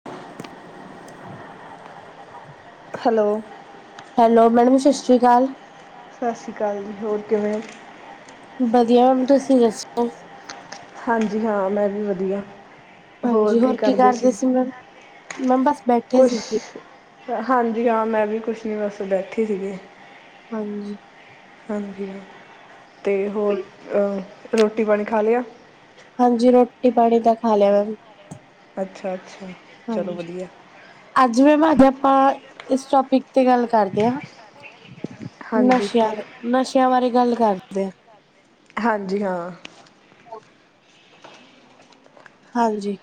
ਹੂੰ। Hello. Hello madam ਸਤਿ ਸ਼੍ਰੀ ਅਕਾਲ। ਸਤਿ ਸ਼੍ਰੀ ਅਕਾਲ ਜੀ, ਹੋਰ ਕਿਵੇਂ। ਵਧੀਆ ਮੈਮ, ਤੁਸੀਂ ਦੱਸੋ? ਹਾਂਜੀ ਹਾਂ ਮੈਂ ਵੀ ਵਧੀਆ, ਹੋਰ ਕੀ ਕਰਦੇ ਸੀ? ਮੈਂਮ ਬਸ। ਕੁਛ ਹਾਂਜੀ ਹਾਂ ਮੈਂ ਵੀ ਕੁਛ ਨੀ, ਬਸ ਬੈਠੇ ਸੀਗੇ। ਹਾਂਜੀ। ਹਾਂਜੀ, ਤੇ ਹੋਰ ਅਹ ਰੋਟੀ ਪਾਣੀ ਖਾ ਲਿਆ। ਹਾਂਜੀ ਰੋਟੀ ਪਾਣੀ ਤਾਂ ਖਾ ਲਿਆ ਮੈਂਮ ਅੱਛਾ ਅੱਛਾ। ਹਾਂਜੀ, ਅੱਜ ਵੀ ਮੈਂ ਜੇ ਆਪਾਂ ਇਸ ਟੋਪਿਕ ਤੇ ਗੱਲ- ਕਰਦੇ ਹ ਨਸ਼ਿਆਂ, ਨਸ਼ਿਆਂ ਬਾਰੇ ਗੱਲ ਕਰਦੇ ਆ। ਹਾਂਜੀ ਹਾਂ। ਹਾਂਜੀ।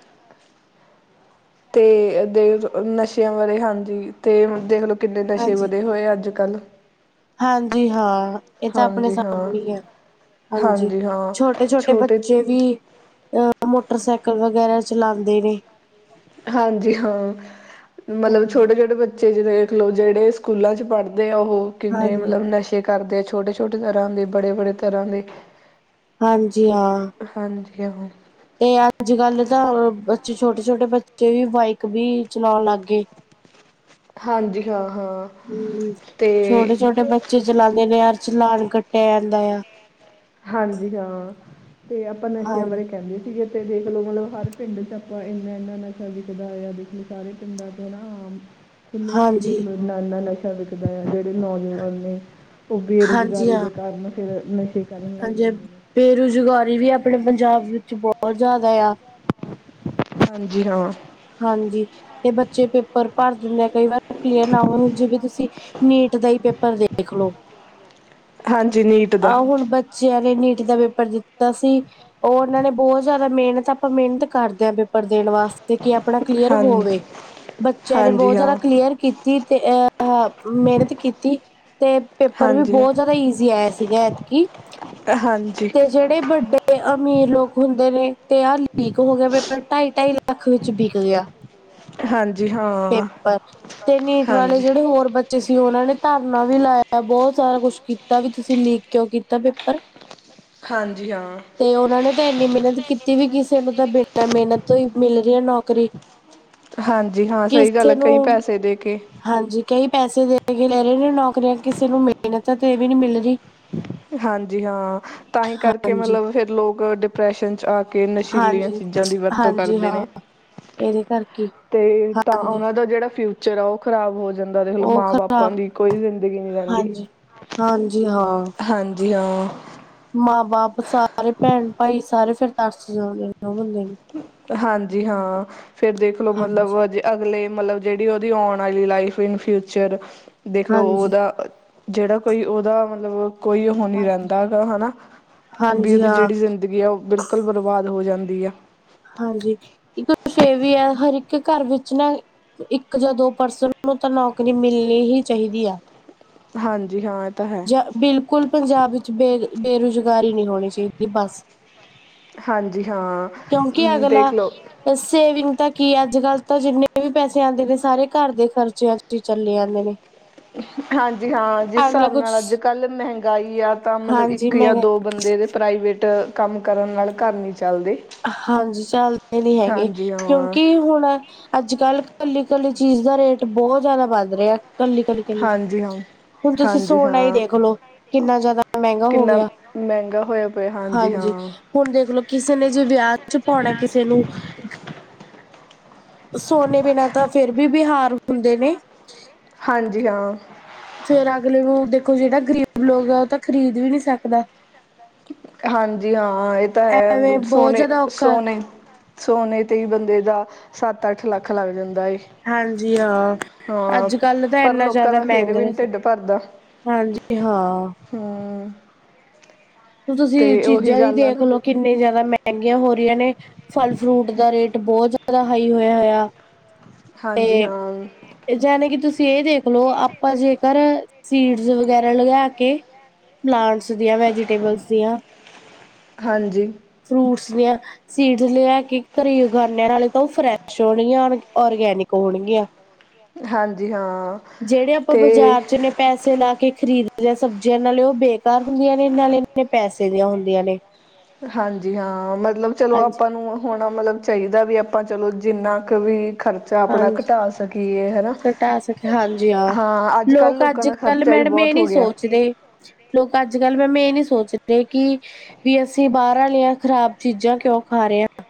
ਤੇ ਦੇ ਨਸ਼ਿਆਂ ਬਾਰੇ, ਹਾਂਜੀ ਤੇ ਦੇਖਲੋ ਕਿੰਨੇ ਨਸ਼ੇ ਵਧੇ ਹੋਏ ਆ ਅੱਜ ਕੱਲ੍ਹ ਹਾਂਜੀ ਹਾਂ। ਇਹ ਤਾਂ ਆਪਣੇ ਸਾਹਮਣੇ ਹੀ ਹੈ ਹਾਂਜੀ, ਛੋਟੇ ਛੋਟੇ ਬੱਚੇ ਵੀ ਅਹ ਮੋਟਰਸਾਈਕਲ ਵਗੈਰਾ ਚਲਾਉਂਦੇ ਨੇ ਹਾਂਜੀ ਹਾਂ, ਮਤਲਬ ਛੋਟੇ ਛੋਟੇ ਬੱਚੇ ਬੱਚੇ ਜਿ ਦੇਖਲੋ ਜਿਹੜੇ ਸਕੂਲਾਂ 'ਚ ਪੜ੍ਹਦੇ ਆ ਉਹ ਕਿੰਨੇ ਮਤਲਬ ਨਸ਼ੇ- ਵੀ ਕਰਦੇ, ਆ ਛੋਟੇ -ਛੋਟੇ ਘਰਾਂ ਦੇ, ਬੜੇ -ਬੜੇ ਘਰਾਂ ਦੇ। ਹਾਂਜੀ ਹਾਂ। ਹਾਂਜੀ ਹਾਂ। ਤੇ ਅੱਜ ਕੱਲ ਤਾਂ ਬੱਚੇ ਛੋਟੇ, ਛੋਟੇ ਬੱਚੇ ਵੀ ਬਾਈਕ ਵੀ ਚਲਾਉਣ ਲੱਗ ਗਏ। ਹਾਂਜੀ ਹਾਂ, ਹਾਂ। ਹੂੰ, ਛੋਟੇ- ਛੋਟੇ ਬੱਚੇ ਚਲਾਉਂਦੇ ਨੇ, ਯਾਰ ਚਲਾਨ ਕੱਟਿਆ ਜਾਂਦਾ ਆ। ਹਾਂਜੀ ਹਾਂ, ਤੇ ਆਪਾਂ ਨਸ਼ਿਆਂ ਬਾਰੇ ਕਹਿੰਦੇ ਸੀਗੇ। ਤੇ ਦੇਖਲੋ ਹੁਣ ਹਰ ਪਿੰਡ 'ਚ ਆਪਾਂ ਇੰਨਾ- ਇੰਨਾ ਨਸ਼ਾ ਵਿਕਦਾ ਆ ਦੇਖ ਲਓ ਸਾਰੇ ਪਿੰਡਾਂ 'ਚ ਹਨਾ ਆਮ। ਕਿੰਨੇ ਆਮ ਦੇਖਲੋ, ਇੰਨਾ -ਇੰਨਾ ਨਸ਼ਾ ਵਿਕਦਾ ਆ, ਜਿਹੜੇ ਨੌਜਵਾਨ ਨੇ। ਉਹ ਬੇਰੁਜ਼ਗਾਰੀ ਦੇ ਕਾਰਨ ਫਿਰ ਨਸ਼ੇ। ਹਾਂਜੀ ਹਾਂ, ਬੇਰੁਜ਼ਗਾਰੀ ਵੀ ਆਪਣੇ ਪੰਜਾਬ ਵਿੱਚ ਬਹੁਤ ਜ਼ਿਆਦਾ ਆ। ਹਾਂਜੀ ਹਾਂ। ਹਾਂਜੀ। ਤੇ ਬੱਚੇ ਪੇਪਰ ਭਰ ਦਿੰਦੇ ਆ, ਕਈ ਵਾਰ ਕਲੀਅਰ ਨਾ ਹੋਏ, ਉਂਝ ਕਿ ਤੁਸੀਂ ਨੀਟ ਦਾ ਹੀ ਪੇਪਰ ਦੇ ਦੇਖਲੋ, ਆਹੋ ਹੁਣ ਬ ਬੱਚਿਆਂ ਨੇ ਨੀਟ ਦਾ ਪੇਪਰ ਦਿੱਤਾ ਸੀ ਉਹ ਉਹਨਾਂ ਨੇ ਬਹੁਤ ਜ਼ਿਆਦਾ ਮਿਹਨਤ, ਆਪਾਂ ਮਿਹਨਤ ਕਰਦੇ ਹਾਂ ਪੇਪਰ ਦੇਣ ਵਾਸਤੇ। ਤੇ ਕੀ ਆਪਣਾ ਕਲੀਅਰ ਹੋਵੇ। ਬੱਚਿਆਂ ਨੇ ਬਹੁਤ ਜ਼ਿਆਦਾ ਕਲੀਅਰ ਕੀਤੀ, ਤੇ ਆਹ ਮਿਹਨਤ ਕੀਤੀ। ਤੇ ਪੇਪਰ ਵੀ ਬਹੁਤ ਜ਼ਿਆਦਾ ਈਜ਼ੀ ਆਇਆ ਸੀਗਾ, ਐਂਤਕੀ ਹਾਂਜੀ। ਜਿਹੜੇ ਵੱਡੇ ਅਮੀਰ ਲੋਕ ਹੁੰਦੇ ਨੇ, ਤੇ ਆਹ ਲੀਕ ਹੋ ਗਿਆ ਪੇਪਰ ਢਾਈ- ਢਾਈ। ਕੱਖ ਵਿੱਚ ਵਿਕ ਗਿਆ। ਪੇਪਰ, ਤੇ ਨੀਟ ਵਾਲੇ ਜਿਹੜੇ ਹੋਰ ਬੱਚੇ ਸੀ ਉਹਨਾਂ ਨੇ ਧਰਨਾ ਵੀ ਲਾਇਆ, ਬਹੁਤ ਸਾਰਾ ਕੁਛ ਕੀਤਾ ਵੀ, ਤੁਸੀਂ ਲੀਕ ਕਿਉਂ ਕੀਤਾ ਪੇਪਰ ਹੂੰ। ਹਾਂਜੀ ਹਾਂ। ਤੇ ਉਹਨਾਂ ਨੇ ਤਾਂ ਇੰਨੀ ਮਿਹਨਤ ਕੀਤੀ ਵੀ ਕਿਸੇ ਨੂੰ ਤਾਂ ਬਿਨਾਂ ਮਿਹਨਤ ਤੋਂ ਹੀ। ਮਿਲ ਰਹੀ ਹੈ ਨੌਕਰੀ। ਹਾਂਜੀ ਹਾਂ ਸਹੀ ਗੱਲ, ਕਈ ਪੈਸੇ ਦੇ ਕੇ। ਹਾਂਜੀ ਕਈ ਪੈਸੇ ਦੇ ਕੇ ਲੈ ਰਹੇ ਨੇ ਨੌਕਰੀਆਂ, ਕਿਸੇ ਨੂੰ ਮਿਹਨਤ ਤੇ ਵੀ ਨਹੀਂ ਮਿਲ ਰਹੀ। ਹਾਂਜੀ ਹਾਂ, ਤਾਂਹੀ ਕਰਕੇ ਮਤਲਬ ਫਿਰ ਲੋਕ ਡਿਪਰੈਸ਼ਨ 'ਚ ਆ ਕੇ ਨਸ਼ੀਲੀਆਂ ਚੀਜ਼ਾਂ ਦੀ ਵਰਤੋਂ ਕਰਦੇ ਨੇ। ਤੇ, ਤਾਂ ਉਹਨਾਂ ਦਾ ਜਿਹੜਾ ਫਿਊਚਰ। ਜਿਹੜਾ ਉਹ ਖ਼ਰਾਬ ਹੋ ਜਾਂਦਾ, ਦੇਖਲੋ ਮਾਂ ਬਾਪਾਂ ਦੀ ਕੋਈ ਜ਼ਿੰਦਗੀ ਨਹੀਂ ਰਹਿੰਦੀ। ਹਾਂਜੀ, ਹਾਂ। ਹਾਂਜੀ ਹਾਂ। ਮਾਂ- ਬਾਪ ਸਾਰੇ ਭੈਣ -ਭਾਈ ਸਾਰੇ ਫਿਰ ਤਰਸ ਜਾਂਦੇ ਨੇ ਉਹ ਬੰਦੇ ਨੂੰ। ਹਾਂਜੀ ਹਾਂ, ਫਿਰ ਦੇਖਲੋ ਮਤਲਬ ਅਜੇ ਅਗਲੇ ਮਤਲਬ ਜਿਹੜੀ ਉਹਦੀ ਆਉਣ ਵਾਲੀ ਲਾਈਫ ਇਨ ਫਿਊਚਰ, ਦੇਖ ਲਓ ਉਹਦਾ। ਜਿਹੜਾ ਕੋਈ ਉਹਦਾ ਮਤਲਬ। ਕੋਈ ਉਹ ਨਹੀਂ ਰਹਿੰਦਾ ਹੈਗਾ ਹਨਾ, ਵੀ ਉਹਦੀ ਜਿਹੜੀ ਜ਼ਿੰਦਗੀ ਹੈ ਉਹ ਬਿਲਕੁਲ। ਬਿਲਕੁਲ ਬਰਬਾਦ ਹੋ ਜਾਂਦੀ ਆ। ਹਾਂਜੀ, ਇੱਕ ਕੁਛ ਇਹ ਵੀ ਹੈ ਹਰ ਇੱਕ ਘਰ ਵਿੱਚ ਨਾ ਇੱਕ ਜਾਂ ਦੋ ਪਰਸਨ ਨੂੰ ਤਾਂ ਨੌਕਰੀ ਮਿਲਣੀ ਹੀ ਚਾਹੀਦੀ ਆ ਹਾਂਜੀ ਹਾਂ, ਇਹ ਤਾਂ ਹੈ। ਜਾਂ ਬਿਲਕੁਲ ਪੰਜਾਬ ਵਿੱਚ ਬੇ ਬੇਰੁਜ਼ਗਾਰੀ ਨਹੀਂ ਹੋਣੀ। ਕਿਉਕਿ ਬਸ, ਕਿਉਂਕਿ ਅਗਲਾ। ਸੇਵਿੰਗ ਤਾਂ ਕੀ ਹੈ, ਅੱਜ ਕੱਲ ਤਾਂ ਜਿੰਨੇ ਵੀ ਪੈਸੇ ਆਉਂਦੇ ਨੇ ਸਾਰੇ ਘਰ ਦੇ ਖਰਚਿਆਂ 'ਚ ਹੀ ਚੱਲੇ ਜਾਂਦੇ ਨੇ। ਹਾਂਜੀ ਹਾਂ। ਜਿਸ ਹਿਸਾਬ ਨਾਲ ਅੱਜ ਕੱਲ ਮਹਿੰਗਾਈ ਆ ਤਾਂ ਮਤਲਬ ਇੱਕ ਜਾਂ ਦੋ ਬੰਦੇ ਦੇ ਪ੍ਰਾਈਵੇਟ ਕੰਮ ਕਰਨ ਨਾਲ ਘਰ ਨਹੀਂ ਚੱਲਦੇ। ਹਾਂਜੀ ਚੱਲਦੇ ਨੀ ਹੈਗੇ ਕਿਉਂਕਿ ਹੁਣ ਅੱਜ ਕੱਲ ਕੱਲੀ-ਕੱਲੀ ਚੀਜ਼ ਦਾ ਰੇਟ ਬਹੁਤ ਜਿਆਦਾ ਵੱਧ ਰਿਹਾ। ਕੱਲੀ-ਕੱਲੀ-ਕੱਲੀ ਹੁਣ ਤੁਸੀਂ ਸੋਨਾ ਹੀ ਦੇਖ ਲਓ ਕਿੰਨਾ ਜ਼ਿਆਦਾ ਕਿੰਨਾ ਮਹਿੰਗਾ ਹੋਇਆ ਪਿਆ ਹਾਂਜੀ ਹਾਂ। ਹੁਣ ਦੇਖਲੋ ਕਿਸੇ ਨੇ ਜੇ ਵਿਆਹ 'ਚ ਪਾਉਣਾ ਕਿਸੇ ਨੂੰ ਸੋਨੇ ਬਿਨਾਂ ਤਾਂ ਫਿਰ ਵੀ ਬਿਹਾਰ ਹੁੰਦੇ ਨੇ। ਹਾਂਜੀ ਹਾਂ। ਫਿਰ ਅਗਲੇ ਨੂੰ ਦੇਖੋ ਜਿਹੜਾ ਗਰੀਬ ਲੋਕ ਆ ਉਹ ਤਾਂ ਖਰੀਦ ਵੀ ਨਹੀਂ ਸਕਦਾ। ਹਾਂਜੀ ਹਾਂ ਇਹ ਤਾਂ ਹੈ ਸੋਨੇ-ਸੋਨੇ ਸੋਨੇ ਤੇ ਹੀ ਬੰਦੇ ਦਾ ਸੱਤ ਅੱਠ ਲੱਖ ਲੱਗ ਜਾਂਦਾ ਏ। ਹਾਂਜੀ ਹਾਂ ਅੱਜ ਕੱਲ ਤਾਂ ਇਨਾ ਜ਼ਿਆਦਾ ਮਹਿੰਗਾ ਹਾਂਜੀ ਹਾਂ। ਹੂੰ ਹੁਣ ਤੁਸੀਂ ਚੀਜ਼ਾਂ ਹੀ ਦੇਖ ਲਓ ਕਿੰਨੀ ਜ਼ਿਆਦਾ ਮਹਿੰਗੀਆਂ ਹੋ ਰਹੀਆਂ ਨੇ। ਫਲ ਫਰੂਟ ਦਾ ਰੇਟ ਬਹੁਤ ਜ਼ਿਆਦਾ ਹਾਈ ਹੋਇਆ-ਹੋਇਆ। ਹਾਂਜੀ ਹਾਂ। ਜਾਣੀ ਕਿ ਤੁਸੀਂ ਇਹ ਦੇਖਲੋ ਆਪਾਂ ਜੇਕਰ ਸੀਡਜ਼ ਵਗੈਰਾ ਲਿਆ ਕੇ ਪਲਾਂਟਸ ਦੀਆਂ ਵੈਜੀਟੇਬਲਸ ਦੀਆਂ ਫਰੂਟਸ ਦੀਆਂ ਸੀਡਸ ਲਿਆ ਕੇ ਘਰੀ ਉਗਾਉਣੇ ਹਾਂ ਨਾਲੇ ਤਾਂ ਉਹ ਫਰੈਸ਼ ਹੋਣਗੀਆਂ ਔਰਗੈਨਿਕ ਹੋਣਗੀਆਂ। ਹਾਂਜੀ ਹਾਂ। ਜਿਹੜੇ ਆਪਾਂ ਬਾਜ਼ਾਰ 'ਚ ਨੇ ਪੈਸੇ ਲਾ ਕੇ ਖਰੀਦਦੇ ਆ ਸਬਜ਼ੀਆਂ ਨਾਲੇ ਉਹ ਬੇਕਾਰ ਹੁੰਦੀਆਂ ਨੇ ਨਾਲੇ ਇੰਨੇ ਪੈਸੇ ਦੀਆਂ ਹੁੰਦੀਆਂ ਨੇ। ਹਾਂਜੀ ਹਾਂ ਮਤਲਬ ਚਲੋ ਆਪਾਂ ਨੂੰ ਹੁਣ ਮਤਲਬ ਚਾਹੀਦਾ ਵੀ ਆਪਾਂ ਚਲੋ ਜਿੰਨਾ ਕੁ ਵੀ ਖਰਚਾ ਆਪਣਾ ਘਟਾ ਸਕੀਏ ਹਨਾ ਹਾਂ ਅੱਜ ਕੱਲ੍ਹ ਲੋਕਾਂ ਦਾ ਖਰਚਾ ਵੀ ਬਹੁਤ ਹੋ ਗਿਆ। ਲੋਕ ਅੱਜ ਕੱਲ੍ਹ ਮੈ ਵੇੈਂ ਇਹ ਨੀ ਸੋਚ ਦੇ ਕਿ ਵੀ ਅਸੀਂ ਬਾਹਰ ਆਲੀਆਂ ਖਰਾਬ ਚੀਜ਼ਾਂ ਕਿਉਂ ਖਾ ਰਹੇ ਹਾਂ।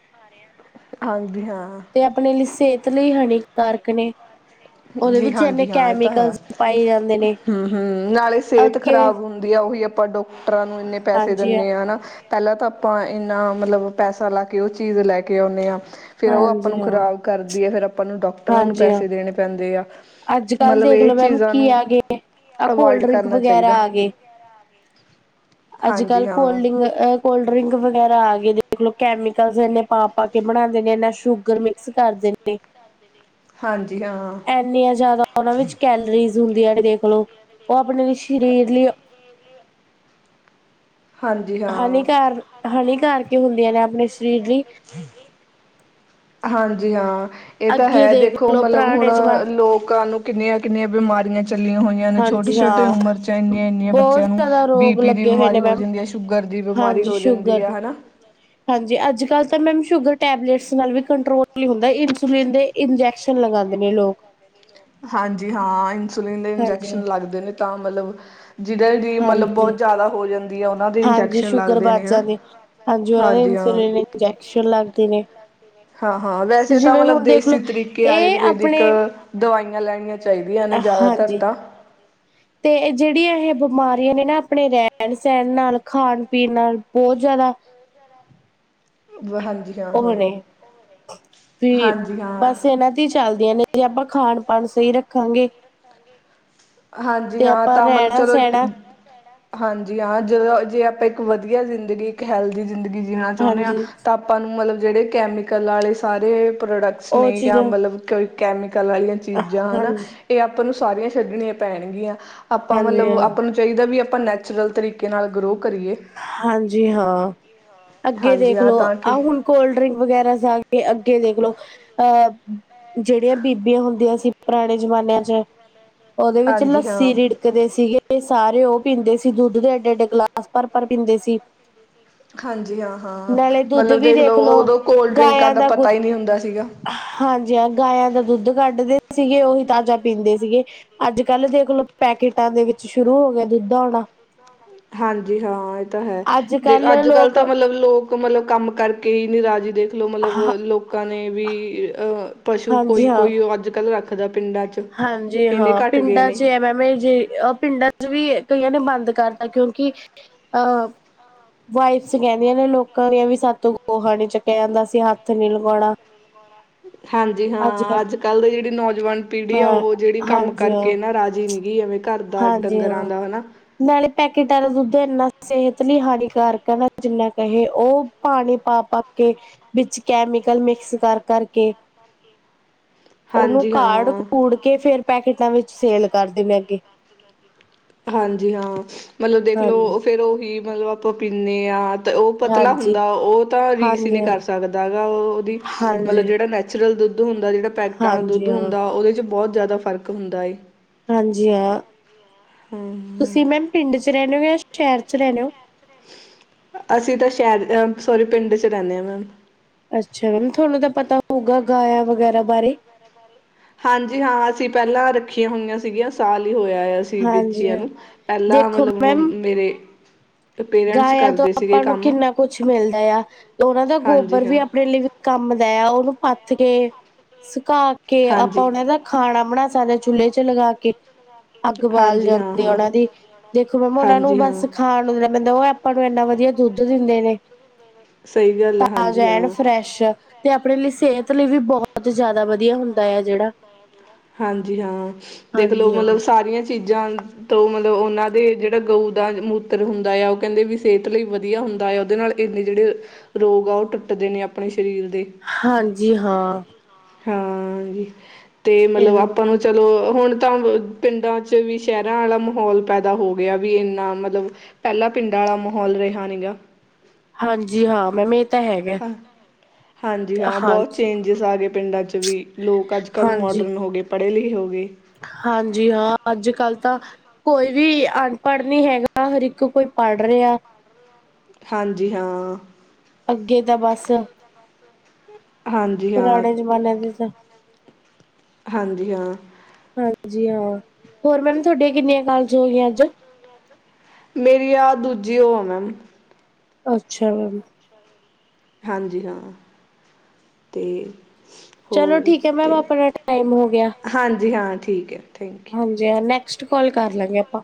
ਹਾਂਜੀ ਹਾਂ। ਤੇ ਆਪਣੇ ਲਈ ਸਿਹਤ ਲਈ ਹਾਨੀਕਾਰਕ ਨੇ। ਜੀ ਹਾਂਜੀ ਹਾਂ ਇਹ ਤਾਂ ਹੈ ਹੂੰ-ਹੂੰ ਨਾਲੇ ਸਿਹਤ ਖਰਾਬ ਹੁੰਦੀ ਆ ਉਹੀ ਆਪਾਂ ਡਾਕਟਰਾਂ ਨੂੰ ਇੰਨੇ ਪੈਸੇ ਦਿੰਨੇ ਆ ਹਨਾ। ਪਹਿਲਾਂ ਤਾਂ ਆਪਾਂ ਇੰਨਾ ਮਤਲਬ ਪੈਸਾ ਲਾ ਕੇ ਉਹ ਚੀਜ਼ ਲੈ ਕੇ ਆਉਂਨੇ ਆ ਫਿਰ ਉਹ ਆਪਾਂ ਨੂੰ ਖਰਾਬ ਕਰਦੀ ਆ ਫਿਰ ਆਪਾਂ ਨੂੰ ਡਾਕਟਰਾਂ ਨੂੰ ਪੈਸੇ ਦੇਣੇ ਪੈਂਦੇ ਆ। ਅਜ ਕਲ ਦੇਖਲੋ ਮੈਮ ਕੀ ਆ ਗਏ ਆ ਕੋਲਡ ਡਰਿੰਕ ਵਗੈਰਾ ਆ ਗਏ। ਅੱਜ ਕੱਲ੍ਹ ਕੋਲਡਿਗ ਅ ਕੋਲਡ ਡਰਿੰਕ ਵਗੈਰਾ ਆ ਗਏ ਦੇਖਲੋ ਕੈਮੀਕਲ ਇਨੇ ਪਾ-ਪਾ ਕੇ ਬਣਾਂਦੇ ਨੇ ਇਨਾ ਸ਼ੂਗਰ ਮਿਕਸ ਕਰਦੇ ਨੇ। ਹਾਂਜੀ ਹਾਂ। ਇੰਨੀਆਂ ਜ਼ਿਆਦਾ ਉਹਨਾਂ ਵਿੱਚ ਕੈਲਰੀਜ਼ ਹੁੰਦੀਆਂ ਦੇਖਲੋ ਉਹ ਆਪਣੇ ਸਰੀਰ ਲਈ ਹਾਨੀਕਾਰ ਹਾਨੀਕਾਰਕ ਹੁੰਦੀਆਂ ਨੇ ਆਪਣੇ ਸਰੀਰ ਲਈ ਹਾਂਜੀ ਹਾਂ। ਇਹ ਤਾਂ ਹੈ ਦੇਖੋ ਮਤਲਬ ਹੁਣ ਲੋਕਾਂ ਨੂੰ ਕਿੰਨੀਆਂ-ਕਿੰਨੀਆਂ ਬਿਮਾਰੀਆਂ ਚੱਲੀਆਂ ਹੋਈਆਂ। ਛੋਟੇ-ਛੋਟੇ ਉਮਰ 'ਚ ਇੰਨੀਆਂ-ਇੰਨੀਆਂ ਬੱਚਿਆਂ ਨੂੰ ਬੀ ਪੀ ਦੀ ਬਿਮਾਰੀ ਹੋ ਜਾਂਦੀ ਹੈ। ਸ਼ੂਗਰ ਦੀ ਬਿਮਾਰੀ ਹੋ ਜਾਂਦੀ ਆ ਹਨਾ। ਹਾਂਜੀ ਅੱਜ ਕੱਲ੍ਹ ਤਾਂ ਮੈਮ ਸ਼ੂਗਰ ਟੈਬਲੇਟਸ ਨਾਲ ਵੀ ਕੰਟਰੋਲ ਨਹੀਂ ਹੁੰਦਾ ਇਨਸੁਲਿਨ ਦੇ ਇੰਜੈਕਸ਼ਨ ਲਗਾਂਦੇ ਨੇ ਲੋਕ ਹਾਂਜੀ ਹਾਂ ਇੰਸੁਲਿਨ ਦੇ ਇੰਜੈਕਸ਼ਨ ਲੱਗਦੇ ਨੇ ਤਾਂ ਮਤਲਬ ਜਿਹਦੇ ਦੀ ਮਤਲਬ ਬਹੁਤ ਜ਼ਿਆਦਾ ਹੋ ਜਾਂਦੀ ਆ ਉਹਨਾਂ ਦੇ ਇੰਜੈਕਸ਼ਨ ਲੱਗਦੇ ਨੇ ਹਨਾ। ਹਾਂਜੀ ਉਹਨਾਂ ਦੇ ਇੰਸੁਲਿਨ ਇੰਜੈਕਸ਼ਨ ਲੱਗਦੇ ਨੇ। ਹਾਂ-ਹਾਂ ਵੈਸੇ ਤਾਂ ਮਤਲਬ ਦੇਸੀ ਤਰੀਕੇ ਆਯੁਰਵੇੈਦਿਕ, ਦਵਾਈਆਂ ਲੈਣੀਆਂ ਅ ਹਾਂਜੀ। ਤੇ ਜਿਹੜੀਆਂ ਇਹ ਬਿਮਾਰੀਆਂ ਨੇ ਨਾ ਆਪਣੇ ਰਹਿਣ-ਸਹਿਣ ਨਾਲ ਖਾਣ-ਪੀਣ ਨਾਲ ਬਹੁਤ ਜ਼ਿਆਦਾ ਹਾਂਜੀ ਉਹ [unintelligible] ਨੇ ਵੀ ਬਸ ਇਹਨਾਂ ਚਲਦੀਆਂ ਨੇ ਜੇ ਆਪਾਂ ਖਾਣ-ਪਾਣ ਸਹੀ ਰੱਖਾਂਗੇ। ਹਾਂਜੀ ਹਾਂ ਤਾਂ ਮਤਲਬ ਚਲੋ ਇੱਕ ਹਾਂਜੀ ਹਾਂ, ਜਦੋਂ ਜੇ ਆਪਾਂ ਇੱਕ ਵਧੀਆ ਜ਼ਿੰਦਗੀ ਇੱਕ ਹੈਲਦੀ ਜ਼ਿੰਦਗੀ ਜੀਣਾ ਚਾਹੁੰਦੇ ਆ ਤਾਂ ਆਪਾਂ ਨੂੰ ਮਤਲਬ ਜਿਹੜੇ ਕੈਮੀਕਲ ਆਲੇ ਸਾਰੇ ਪ੍ਰੋਡਕਟਸ ਨੇ ਜਾਂ ਮਲਬ ਕੋਈ ਕੈਮੀਕਲ ਆਲੀਆਂ ਚੀਜ਼ਾਂ ਹਨਾ, ਇਹ ਆਪਾਂ ਨੂੰ ਸਾਰੀਆਂ ਛੱਡਣੀਆਂ ਪੈਣਗੀਆਂ। ਆਪਾਂ ਮਤਲਬ ਆਪਾਂ ਨੂੰ ਚਾਹੀਦਾ ਵੀ ਆਪਾਂ ਨੈਚੁਰਲ ਤਰੀਕੇ ਨਾਲ ਗਰੋ ਕਰੀਏ। ਹਾਂਜੀ ਹਾਂ, ਅੱਗੇ ਦੇਖਲੋ ਆਹ ਹੁਣ ਕੋਲਡ ਡਰਿੰਕ ਵਗੈਰਾ ਜਾ ਕੇ ਅੱਗੇ ਦੇਖਲੋ ਅਹ, ਜਿਹੜੀਆਂ ਬੀਬੀਆਂ ਹੁੰਦੀਆਂ ਸੀ ਪੁਰਾਣੇ ਜਮਾਨਿਆਂ ਚ ਉਹਦੇ ਵਿੱਚ ਲੱਸੀ ਰਿੜਕਦੇ ਸੀਗੇ ਸਾਰੇ ਉਹ ਪੀਂਦੇ ਸੀ ਦੁੱਧ ਦੇ ਐੱਡੇ-ਐਡੇ ਗਲਾਸ ਭਰ ਭਰ ਪੀਂਦੇ ਸੀ। ਹਾਂਜੀ ਹਾਂ-ਹਾਂ, ਮਤਲਬ ਦੇਖ ਲਓ ਉਦੋਂ ਕੋਲਡ ਡਰਿੰਕਾਂ ਦਾ ਪਤਾ ਹੀ ਨੀ ਹੁੰਦਾ ਸੀਗਾ। ਹਾਂਜੀ ਹਾਂ ਗਾਇਆਂ ਦਾ ਦੁੱਧ ਕੱਢਦੇ ਸੀਗੇ ਉਹੀ ਤਾਜਾ ਪੀਦੇ ਸੀਗੇ। ਅੱਜਕੱਲ੍ਹ ਦੇਖਲੋ ਪੈਕੇਟਾਂ ਦੇ ਵਿੱਚ ਸ਼ੁਰੂ ਹੋ ਗਿਆ ਦੁੱਧ ਆਉਣਾ। ਹਾਂਜੀ ਹਾਂ ਇਹ ਤਾਂ ਹੈ, ਜੇ ਅੱਜਕੱਲ੍ਹ ਤਾਂ ਮਤਲਬ ਲੋਕ ਮਤਲਬ ਕੰਮ ਕਰਕੇ ਹੀ ਨੀ ਰਾਜ਼ੀ ਦੇਖੋ। ਮਤਲਬ ਲੋਕਾਂ ਨੇ ਵੀ ਅਹ ਪਸ਼ੂ ਕੋਈ-ਕੋਈ ਅੱਜਕੱਲ ਰੱਖਦਾ ਪਿੰਡਾਂ ਹਾਂਜੀ ਹਾਂ ਪਿੰਡਾਂ ਚ ਐ ਮੈਂ ਵੇ ਜੇ ਪਿੰਡਾਂ ਚ ਵੀ ਕਈਆਂ ਨੇ ਬੰਦ ਕਰਤਾ ਕਿਉਂਕਿ ਅਹ ਵਾਈਫਸ ਕਹਿੰਦੀਆਂ ਨੇ ਲੋਕਾਂ ਦੀਆਂ ਵੀ ਸਾਤੋ ਗੋਹਾ ਨੀ ਚੱਕਿਆ ਜਾਂਦਾ ਅਸੀ ਹੱਥ ਨੀ ਲਗਾਉਣਾ। [unintelligible] ਹਾਂਜੀ ਹਾਂ, ਅੱਜਕੱਲ੍ਹ ਦੇ ਜਿਹੜੇ ਨੌਜਵਾਨ ਪੀੜੀ ਆ ਉਹ ਜਿਹੜੀ ਕੰਮ ਕਰਕੇ ਨਾ ਰਾਜੀ ਨੀਗੀ ਐਵੇਂ ਘਰ ਦਾ ਡੰਗਰਾਂ ਦਾ ਹਨਾ। ਨਾਲੇ ਪੈਕੇਟਾਂ ਦਾ ਦੁੱਧ ਇੰਨਾ ਸਿਹਤ ਲਈ ਹਾਨੀਕਾਰਕ ਹੈ ਨਾ ਜਿੰਨਾ ਕਹੇ ਉਹ ਪਾਣੀ ਪਾ-ਪਾ ਕੇ ਵਿੱਚ ਕੈਮੀਕਲ ਮਿਕਸ ਕਰ-ਕਰ ਕੇ ਉਹਨੂੰ ਕਾੜ-ਕੂੜ ਕੇ ਫੇਰ ਪੈਕਟਾਂ ਵਿੱਚ ਸੇਲ ਕਰਦੇ ਨੇ ਅੱਗੇ। ਹਾਂਜੀ ਹਾਂ, ਮਤਲਬ ਦੇਖ ਲਓ ਫੇਰ ਉਹੀ ਮਤਲਬ ਆਪਾਂ ਪੀਂਨੇ ਆ। ਉਹ ਪਤਲਾ ਹੁੰਦਾ ਉਹ ਤਾਂ ਰੀਸ ਹੀ ਨਹੀਂ ਕਰ ਸਕਦਾ ਹੈਗਾ ਉਹ ਉਹਦੀ, ਮਤਲਬ ਜਿਹੜਾ ਨਚ ਨੈਚਰੁਲ ਦੁੱਧ ਹੁੰਦਾ ਜਿਹੜਾ ਪੈਕਟਾਂ ਆਲਾ ਦੁੱਧ ਹੁੰਦਾ ਉਹਦੇ 'ਚ ਬਹੁਤ ਜ਼ਿਆਦਾ ਫਰਕ ਹੁੰਦਾ ਏ। ਹਾਂਜੀ ਹਾਂ, ਤੁਸੀਂ ਮੈਮ ਪਿੰਡ 'ਚ ਰਹਿੰਦੇ ਹੋ ਜਾਂ ਸ਼ਹਿਰ 'ਚ ਰਹਿੰਨੇ ਓ? ਅਸੀ ਤਾਂ ਸ਼ਹਿਰ ਸੋਰੀ ਪਿੰਡ 'ਚ ਰਹਿੰਨੇ ਆ ਮੈਮ। ਅੱਛਾ ਮੈਮ ਤੁਹਾਨੂੰ ਤਾਂ ਪਤਾ ਹੋਊਗਾ ਗਾਇਆ ਵਗੈਰਾ ਬਾਰੇ। ਹਾਂਜੀ ਹਾਂ ਅਸੀਂ ਪਹਿਲਾਂ ਰੱਖੀਆਂ ਹੋਈਆਂ ਸੀਗੀਆਂ ਸਾਲ ਹੀ ਹੋਇਆ ਆ। ਸੀ ਬੇਚੀਆਂ ਨੂੰ। ਪਹਿਲਾਂ ਮਤਲਬ ਮੇਰੇ ਗਾਇਆ ਤੋਂ ਆਪਾਂ ਨੂੰ ਕਿਨਾ ਕੁਛ ਮਿਲਦਾ ਆ ਉਹਨਾ ਦਾ ਗੋਬਰ ਵੀ ਆਪਣੇ ਲਈ- ਕਮ ਦਾ ਆ ਉਹਨੂੰ ਪੱਥ ਕੇ, ਸੁਕਾ ਕੇ ਆਪਾ ਉਹਨਾ ਦਾ- ਖਾਣਾ ਬਣਾ ਸਕਦੇ ਆ ਚੁੱਲ੍ਹੇ 'ਚ ਲਗਾ ਕੇ। ਅੱਗ ਬਾਲ ਜਾਂਦੀ ਆ ਉਹਨਾਂ ਦੀ, ਦੇਖੋ ਮੈਮ ਉਹਨਾਂ ਨੂੰ ਬਸ ਖਾਣ ਬੰਦਾ ਉਹ ਆਪਾਂ ਨੂੰ ਇੰਨਾ ਵਧੀਆ ਦੁੱਧ ਦਿੰਦੇ ਨੇ। ਤਾਜ਼ਾ ਐਨ ਫਰੈਸ਼। ਤੇ ਆਪਣੇ ਲਈ ਸਿਹਤ ਲਈ ਵੀ ਬਹੁਤ ਜ਼ਿਆਦਾ ਵਧੀਆ ਹੁੰਦਾ ਆ ਜਿਹੜਾ। ਹਾਂਜੀ ਹਾਂ, ਦੇਖ ਲਓ ਮਲਬ ਸਾਰੀਆਂ ਚੀਜ਼ਾਂ ਤੋਂ ਮਤਲਬ ਉਹਨਾਂ ਦੇ ਜਿਹੜਾ ਗਊ ਦਾ ਮੂਤਰ ਹੁੰਦਾ ਆ ਉਹ ਕਹਿੰਦੇ ਵੀ ਸਿਹਤ ਲਈ ਵਧੀਆ ਹੁੰਦਾ ਆ ਉਹਦੇ ਨਾਲ ਇੰਨੇ ਜਿਹੜੇ ਰੋਗ ਆ ਉਹ ਟੁੱਟਦੇ ਨੇ ਆਪਣੇ ਸਰੀਰ ਦੇ। ਹਾਂਜੀ ਹਾਂ। ਹਾਂ ਜੀ, ਤੇ ਮਤਲਬ ਆਪਾਂ ਨੂੰ ਚਲੋਂ ਹੁਣ ਤਾਂ ਪਿੰਡਾਂ ਚ ਵੀ ਸ਼ਹਿਰਾਂ ਆਲਾ ਮਾਹੌਲ ਪੈਦਾ ਹੋ ਗਿਆ ਵੀ ਇੰਨਾ ਮਤਲਬ ਪੈਲਾ ਪਿੰਡਾਂ ਆਲਾ ਮਾਹੌਲ ਰਿਹਾ ਨੀ ਗਾ। ਹਾਂਜੀ ਹਾਂ ਮੈਂਮ ਹਾਂ। ਹਾਂਜੀ ਹਾਂ, ਬਹੁਤ ਚੇਂਜਿਸ ਆ ਗਏ ਪਿੰਡਾਂ 'ਚ ਵੀ ਲੋਕ ਅੱਜ ਕੱਲ੍ਹ ਮੌਡਨ ਹੋ ਗੇ। ਪੜ੍ਹੇ ਲਿਖੇ ਹੋਗੇ। ਹਾਂਜੀ ਹਾਂ ਅੱਜ ਕੱਲ ਤਾਂ ਕੋਈ ਵੀ ਅਨਪੜ੍ਹ ਨੀ ਹੈਗਾ, ਹਰ ਇੱਕ ਕੋਈ ਪੜ੍ਹ ਰਿਆ। ਹਾਂਜੀ ਹਾਂ। ਅੱਗੇ ਤਾਂ ਬਸ ਪੁਰਾਣੇ ਜ਼ਮਾਨਿਆਂ ਦੇ ਤਾਂ ਹਾਂਜੀ ਹਾਂ। ਹਾਂਜੀ ਹਾਂ ਹੋਰ ਮੈਮ ਥੋਡੀਆਂ ਕਿੰਨੀਆਂ ਕਾਲਜ ਹੋ ਗਈਆਂ ਅੱਜ? ਮੇਰੀ ਆ ਦੂਜੀ ਉਹ ਆ ਮੈਮ। ਅਛਾ। ਹਾਂਜੀ ਹਾਂ, ਤੇ ਹੋਰ ਤੇ, ਹਾਂਜੀ ਹਾਂ ਠੀਕ ਏ ਥੈਂਕ ਕਿਊ। ਨੈਕਸਟ ਕੌਲ ਕਰ ਲਾਂਗੇ ਆਪਾਂ।